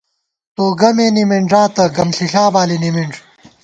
تو گمے نِمِنݮاتہ، گم ݪِݪا بالی نِمِنݮ